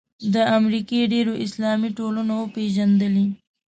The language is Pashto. د امریکې ډېرو اسلامي ټولنو وپېژندلې.